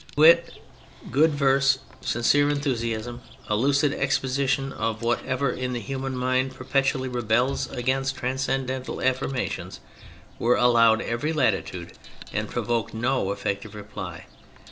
Wit, good verse, sincere enthusiasm, a lucid exposition of whatever in the himian mind perpetually rebels against transcendental affirmations, were allowed every latitude and provoked no effective reply.